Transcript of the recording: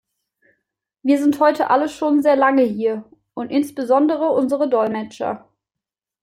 Wir sind heute alle schon sehr lange hier, und insbesondere unsere Dolmetscher.